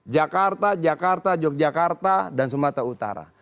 jakarta jakarta yogyakarta dan sumatera utara